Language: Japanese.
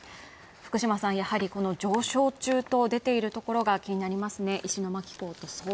福島さんやはりこの上昇中と出ているところが気になりますね